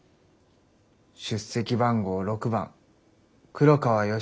出席番号６番黒川良樹。